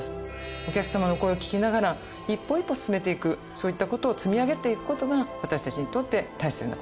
お客様の声を聞きながら一歩一歩進めていくそういった事を積み上げていく事が私たちにとって大切な事だというふうに考えております。